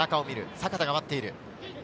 阪田が待っている。